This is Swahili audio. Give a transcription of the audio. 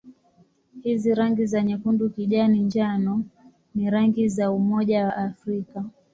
Hizi rangi za nyekundu-kijani-njano ni rangi za Umoja wa Afrika.